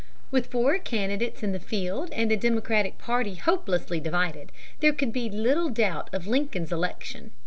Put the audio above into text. With four candidates in the field and the Democratic party hopelessly divided, there could be little doubt of Lincoln's election.